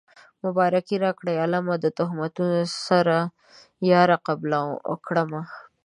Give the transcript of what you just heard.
مبارکي راکړئ عالمه د تهمتونو سره يار قبوله کړمه